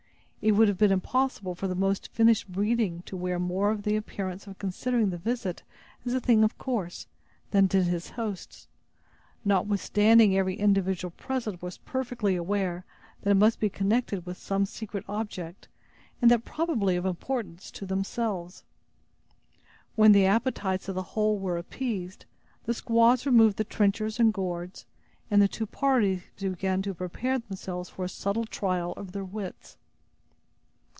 It would have been impossible for the most finished breeding to wear more of the appearance of considering the visit as a thing of course, than did his hosts, notwithstanding every individual present was perfectly aware that it must be connected with some secret object and that probably of importance to themselves. When the appetites of the whole were appeased, the squaws removed the trenchers and gourds, and the two parties began to prepare themselves for a subtle trial of their wits.